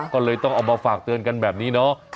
ก็เลยต้องเอามาฝากเตือนกันแบบนี้เนาะ